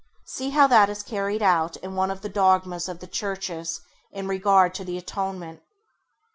See how that is carried out in one of the dogmas of the Churches in regard to the Atonement.